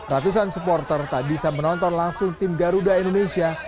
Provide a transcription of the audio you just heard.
ratusan supporter tak bisa menonton langsung tim garuda indonesia